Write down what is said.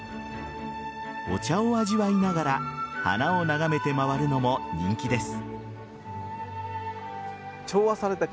お茶を味わいながら花を眺めて回るのも人気です。